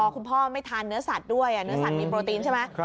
คุณพ่อไม่ทานเนื้อสัตว์ด้วยเนื้อสัตว์มีโปรตีนใช่ไหม